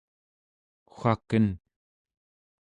waken